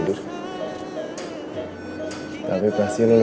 berikan aku cinta